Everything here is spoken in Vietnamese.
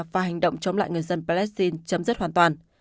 và hành động chống lại người dân palestine chấm dứt hoàn toàn